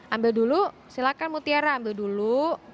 ambil dulu silakan mutiara ambil dulu